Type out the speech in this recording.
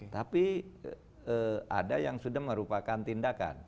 tapi ada yang sudah merupakan tindakan